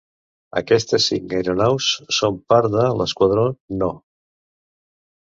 Aquestes cinc aeronaus són part de l'Esquadró No.